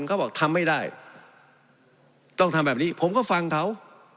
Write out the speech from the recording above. เขาบอกทำไม่ได้ต้องทำแบบนี้ผมก็ฟังเขา